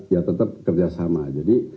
ya tetap kerjasama jadi